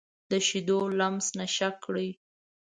د شیدو لمس نشه کړي